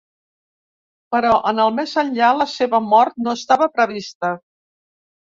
Però en el més enllà, la seva mort no estava prevista.